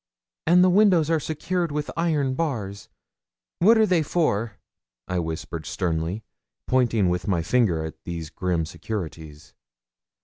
'And the windows are secured with iron bars what are they for?' I whispered sternly, pointing with my finger at these grim securities.